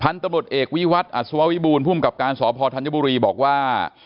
พันธุ์ตำรวจเอกวิวัฒน์อัศววิบูรณ์ผู้มกับการสพธัญบุรีบอกว่า